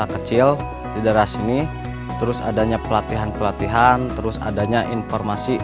kecil di daerah sini terus adanya pelatihan pelatihan terus adanya informasi